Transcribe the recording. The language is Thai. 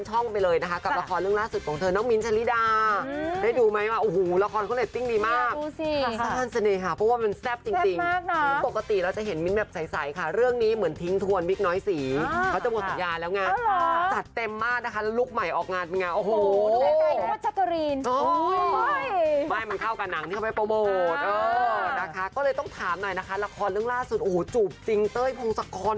ก็เลยต้องถามหน่อยนะคะละครเรื่องล่าสุดโอ้โหจูบจริงเต้ยพงศกร